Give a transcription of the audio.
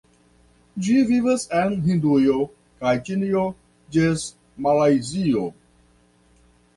Ĝi vivas en Hindujo kaj Ĉinio ĝis Malajzio.